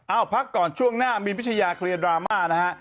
พักก่อนช่วงหน้ามีนพิชยาเคลียร์ดราม่านะฮะ